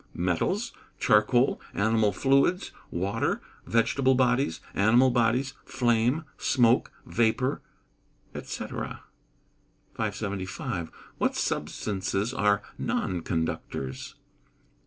_ Metals, charcoal, animal fluids, water, vegetable bodies, animal bodies, flame, smoke, vapour, &c. 575. _What substances are non conductors?